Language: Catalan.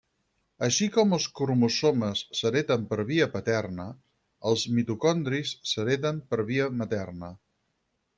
Així com els cromosomes s'hereten per via paterna, els mitocondris s'hereten per via materna.